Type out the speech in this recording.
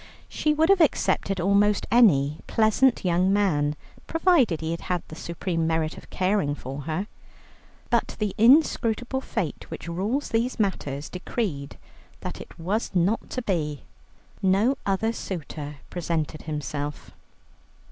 She would have accepted almost any pleasant young man, provided he had had the supreme merit of caring for her. But the inscrutable fate which rules these matters, decreed that it was not to be. No other suitor presented himself.